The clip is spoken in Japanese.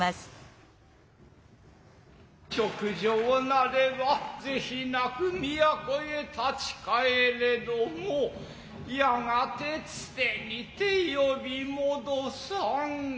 勅諚なれば是非なく都へ立ち帰れどもやがてつてにて呼び戻さん。